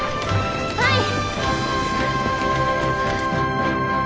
はい！